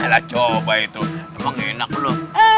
alah coba itu emang enak lo